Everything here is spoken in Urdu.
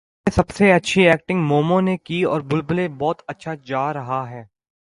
بلبلے میں سب سے اچھی ایکٹنگ مومو نے کی ہے اور بلبلے بہت اچھا جا رہا ہے